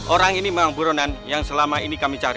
orang ini memang buronan yang selama ini kami cari